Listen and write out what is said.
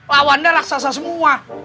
lawannya raksasa semua